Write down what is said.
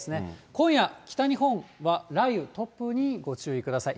今夜、北日本は雷雨、突風にご注意ください。